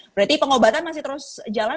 berarti pengobatan masih terus jalan